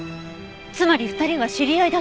つまり２人は知り合いだったって事？